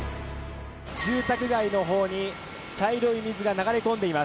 「住宅街の方に茶色い水が流れ込んでいます」。